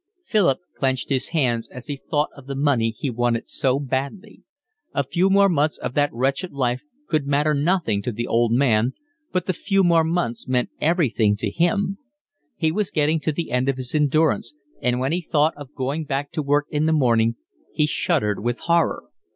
Philip clenched his hands as he thought of the money he wanted so badly. A few more months of that wretched life could matter nothing to the old man, but the few more months meant everything to him: he was getting to the end of his endurance, and when he thought of going back to work in the morning he shuddered with horror.